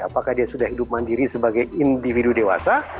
apakah dia sudah hidup mandiri sebagai individu dewasa